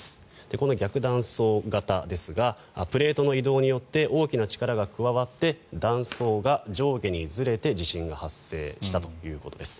この逆断層型ですがプレートの移動によって大きな力が加わって断層が上下にずれて地震が発生したということです。